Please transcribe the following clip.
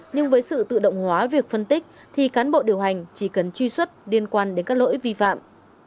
nhưng với sự tự động hóa việc phân tích thì cán bộ điều hành chỉ cần truy xuất liên quan đến các lỗi vi phạm